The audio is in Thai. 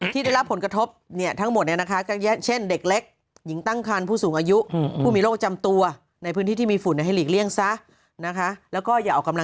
ที่ได้รับผลกระทบเนี่ยทั้งหมดเนี่ยนะคะ